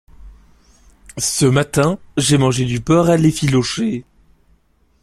Ce matin j'ai mangé du porc à l'effilauché.